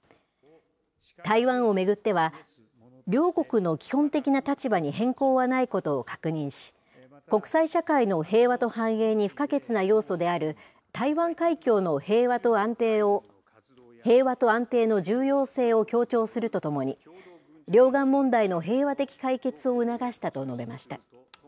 台湾を巡っては、両国の基本的な立場に変更はないことを確認し、国際社会の平和と繁栄に不可欠な要素である台湾海峡の平和と安定の重要性を強調するとともに、両岸問題の平和的解決を促したと述べました。